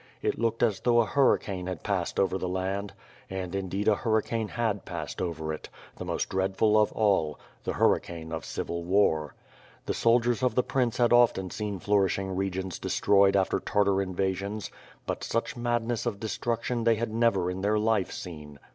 It looked as though a hurricane had passed over the land. And indeed a hurricane had passed over it; 22 338 WITH FIRE AND 8W0RD. the most dreadful of all — the hurricane of civil war. The soldiers of the prince had often seen flourishing regions de stroyed after Tartar invasions; but such madness of destruc tion they had never in their life seen.